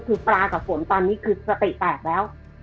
คือปลากับฝนตอนนี้คือสติแตกแล้ว